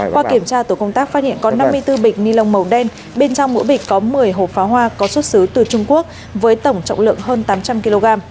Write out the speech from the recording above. qua kiểm tra tổ công tác phát hiện có năm mươi bốn bịch ni lông màu đen bên trong mỗi bịch có một mươi hộp pháo hoa có xuất xứ từ trung quốc với tổng trọng lượng hơn tám trăm linh kg